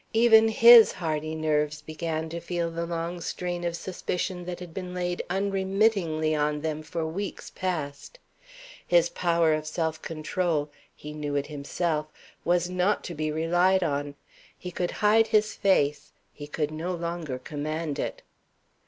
Even his hardy nerves began to feel the long strain of suspicion that had been laid unremittingly on them for weeks past. His power of self control he knew it himself was not to be relied on. He could hide his face: he could no longer command it.